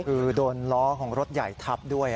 คือโดนล้อของรถใหญ่ทับด้วย